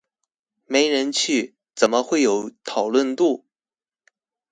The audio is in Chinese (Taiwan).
沒人去，怎麼會有討論度？